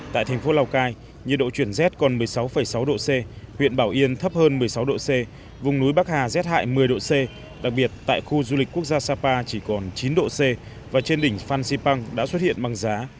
tại thành phố lào cai nhiệt độ chuyển rét còn một mươi sáu sáu độ c huyện bảo yên thấp hơn một mươi sáu độ c vùng núi bắc hà rét hại một mươi độ c đặc biệt tại khu du lịch quốc gia sapa chỉ còn chín độ c và trên đỉnh phan xipang đã xuất hiện băng giá